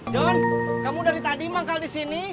john kamu dari tadi emang kali di sini